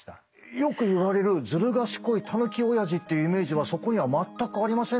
よく言われるずる賢いタヌキおやじっていうイメージはそこには全くありませんね。